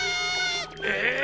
え！